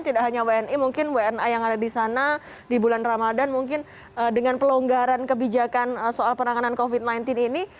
tidak hanya wni mungkin wna yang ada di sana di bulan ramadan mungkin dengan pelonggaran kebijakan soal penanganan covid sembilan belas ini